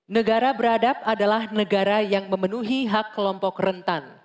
negara beradab adalah negara yang memenuhi hak kelompok rentan